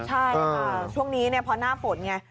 ใช่ค่ะช่วงนี้พอหน้าฝนไง